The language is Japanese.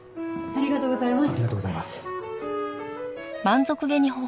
ありがとうございます。